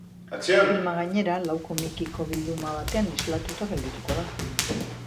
Filma, gainera, lau komikiko bilduma batean islatuta geldituko da.